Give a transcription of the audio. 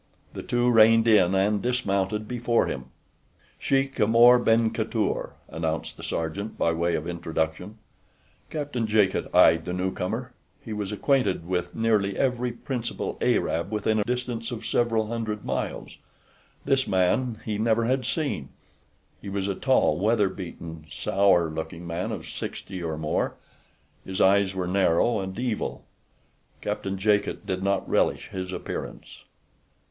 The two reined in and dismounted before him. "Sheik Amor ben Khatour," announced the sergeant by way of introduction. Captain Jacot eyed the newcomer. He was acquainted with nearly every principal Arab within a radius of several hundred miles. This man he never had seen. He was a tall, weather beaten, sour looking man of sixty or more. His eyes were narrow and evil. Captain Jacot did not relish his appearance.